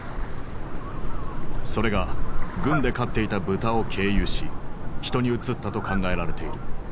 それが軍で飼っていた豚を経由し人にうつったと考えられている。